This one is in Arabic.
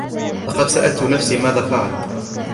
لقد سألتُ نفسي ماذا فعل.